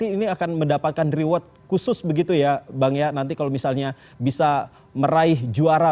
ini akan mendapatkan reward khusus begitu ya bang ya nanti kalau misalnya bisa meraih juara